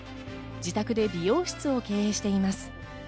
自宅で美容室を経営しています。